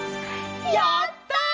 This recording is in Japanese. やった！